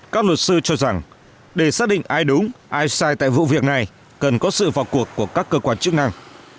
các luật sư cho rằng để xác định ai đúng ai sai tại vụ việc này cần có sự vào cuộc của các cơ quan chức năng